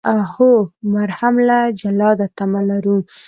موږ مرهم له جلاده تمه لرو.